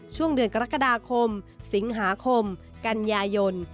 ช่วงเดือนกรกฎาคมสิงหาคมกันยายน